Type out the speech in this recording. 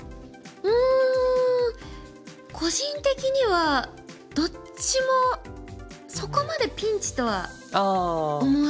うん個人的にはどっちもそこまでピンチとは思わない。